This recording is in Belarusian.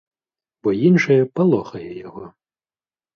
Бо іншае палохае яго.